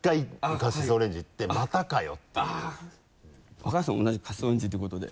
若林さんも同じカシスオレンジていうことで。